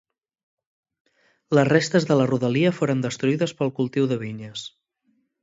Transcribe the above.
Les restes de la rodalia foren destruïdes pel cultiu de vinyes.